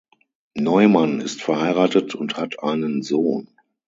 Neumann ist verheiratet und hat einen Sohn.